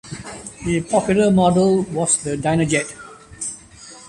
A popular model was the "Dynajet".